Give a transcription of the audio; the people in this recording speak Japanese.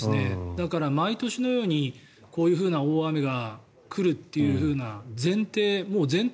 だから毎年のようにこういうような大雨が来る前提